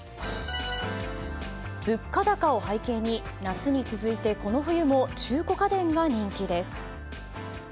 物価高を背景に夏に続いてこの冬も、中古家電が人気です。